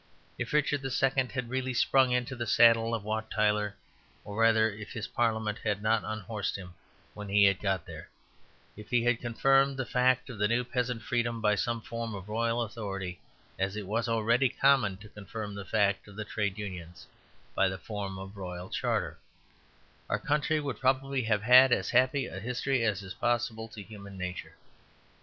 If Richard II. had really sprung into the saddle of Wat Tyler, or rather if his parliament had not unhorsed him when he had got there, if he had confirmed the fact of the new peasant freedom by some form of royal authority, as it was already common to confirm the fact of the Trade Unions by the form of a royal charter, our country would probably have had as happy a history as is possible to human nature.